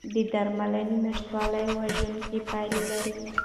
د درملنې نشتوالی وژونکي پایلې لري.